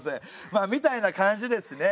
まあみたいな感じですね。